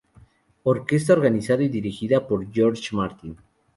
Orquesta organizada y dirigida por George Martin